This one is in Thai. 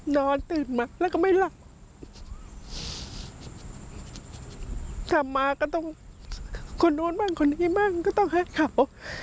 คนนู้นบ้างคนนี้บ้างก็ต้องให้ข่าว